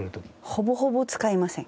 ほぼほぼ使いません。